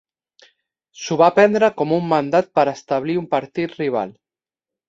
S'ho va prendre com un mandat per establir un partit rival.